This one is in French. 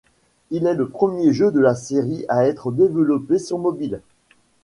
Il est le premier jeu de la série à être développé sur mobiles.